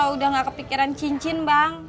udah gak kepikiran cincin bang